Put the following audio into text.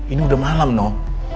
ini udah malam noh